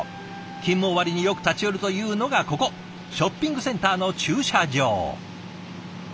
勤務終わりによく立ち寄るというのがここショッピングセンターの駐車場。